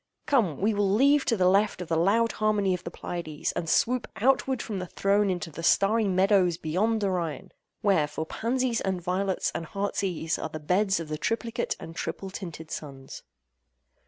Come! we will leave to the left the loud harmony of the Pleiades, and swoop outward from the throne into the starry meadows beyond Orion, where, for pansies and violets, and heart's ease, are the beds of the triplicate and triple tinted suns. OINOS.